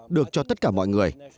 được cho tất cả mọi người